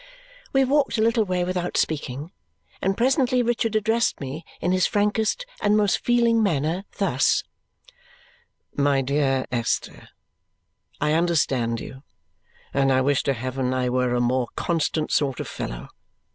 We walked a little way without speaking, and presently Richard addressed me in his frankest and most feeling manner, thus: "My dear Esther, I understand you, and I wish to heaven I were a more constant sort of fellow.